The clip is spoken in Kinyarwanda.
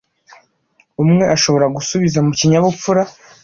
Umwe ashobora gusubiza mukinyabufura